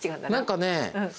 何かね